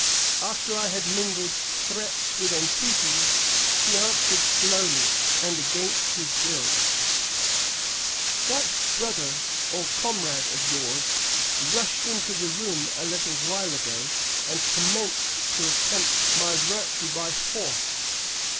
After I had mingled threats with entreaties, he answered slowly and against his will, "That brother or comrade of yours rushed into the room a little while ago and commenced to attempt my virtue by force.